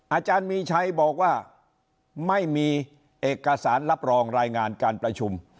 อาจารย์มีชัยบอกว่าไม่มีเอกสารรับรองรายงานการประชุม